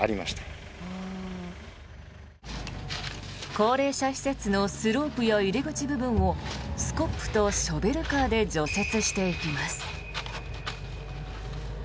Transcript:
高齢者施設のスロープや入り口部分をスコップとショベルカーで除雪していきます。